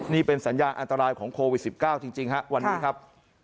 นี่เป็นสัญญาณอันตรายของโควิด๑๙จริงครับวันนี้ครับ